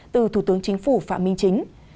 từ thủ tướng chính phủ phạm minh chính